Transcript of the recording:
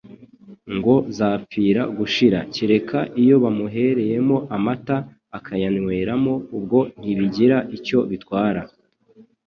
ngo zapfira gushira, kereka iyo bamuhereyemo amata akayanyweramo, ubwo ntibigira icyo bitwara